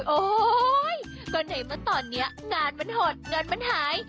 โอ้ก็เห็นมาตอนเนี้ยงานมันหดงานมันหาย